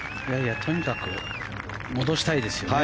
とにかく戻したいですよね